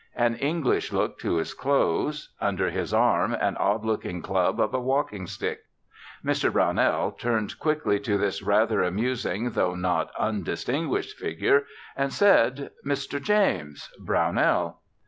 An English look to his clothes. Under his arm an odd looking club of a walking stick. Mr. Brownell turned quickly to this rather amusing though not undistinguished figure, and said, "Mr. James Brownell."